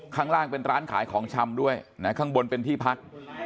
ข้างล่างเป็นร้านขายของชำด้วยนะข้างบนเป็นที่พัก